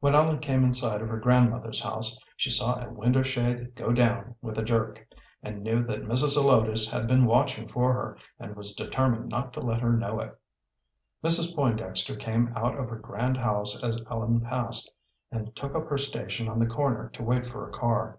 When Ellen came in sight of her grandmother's house, she saw a window shade go down with a jerk, and knew that Mrs. Zelotes had been watching for her, and was determined not to let her know it. Mrs. Pointdexter came out of her grand house as Ellen passed, and took up her station on the corner to wait for a car.